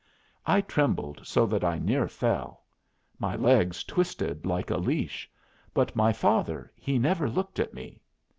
I trembled so that I near fell. My legs twisted like a leash. But my father he never looked at me.